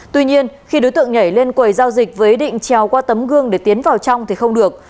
tuy nhiên khi đối tượng nhảy lên quầy giao dịch với ý định trèo qua tấm gương để tiến vào trong thì không được